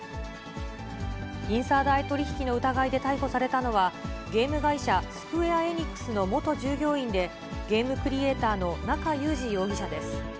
インサイダー取り引きの疑いで逮捕されたのは、ゲーム会社、スクウェア・エニックスの元従業員で、ゲームクリエーターの中裕司容疑者です。